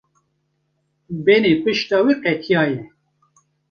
Benê pişta wî qetiyaye.